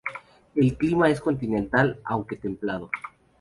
El clima es continental aunque templado.